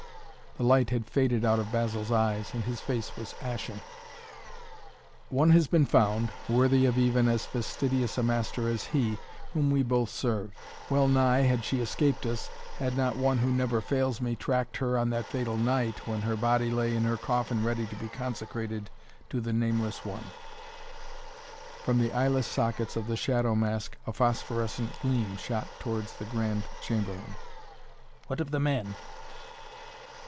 The light had faded out of Basil's eyes, and his face was ashen. "One has been found, worthy of even as fastidious a master as he, whom we both serve. Well nigh had she escaped us, had not one who never fails me tracked her on that fatal night, when her body lay in her coffin ready to be consecrated to the Nameless one." From the eyeless sockets of the shadow mask a phosphorescent gleam shot towards the Grand Chamberlain. "What of the man?"